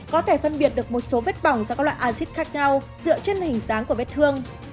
có thể phân biệt được một số vết bỏng do các loại acid khác nhau dựa trên hình dáng của vết thương